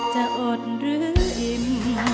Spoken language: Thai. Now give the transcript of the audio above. จะอดหรืออิ่ม